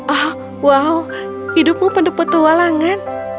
oh wow hidupmu pendeput tualangan